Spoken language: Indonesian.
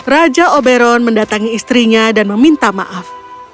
raja oberon mendatangi istrinya dan meminta maaf